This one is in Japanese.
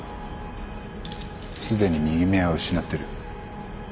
すでに右目は失ってる。